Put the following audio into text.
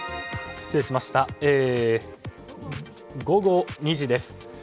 午後２時です。